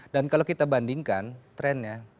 dan kalau kita bandingkan trennya